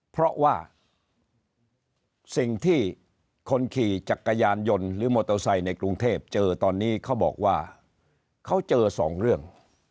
เพราะว่าสิ่งที่คนขี่จักรยานยนต์หรือมอเตอร์ไซค์ในกรุงเทพเจอตอนนี้เขาบอกว่าเขาเจอสองเรื่อง